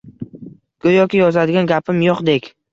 Go`yoki yozadigan gapim yo`qdek